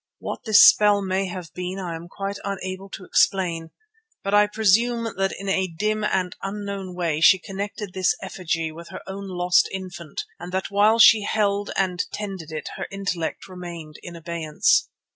What this spell may have been I am quite unable to explain, but I presume that in a dim and unknown way she connected this effigy with her own lost infant and that while she held and tended it her intellect remained in abeyance.